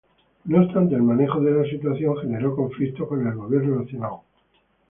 No obstante el manejo de la situación generó conflictos con el gobierno nacional.